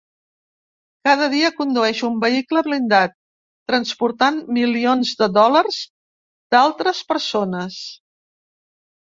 Cada dia condueix un vehicle blindat, transportant milions de dòlars d’altres persones.